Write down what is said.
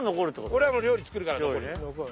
俺はもう料理作るから残り。